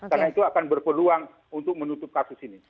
karena itu akan berpeluang untuk menutup kasus ini